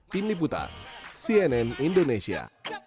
tim liputan cnn indonesia